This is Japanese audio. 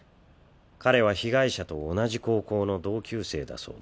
彼は被害者と同じ高校の同級生だそうです。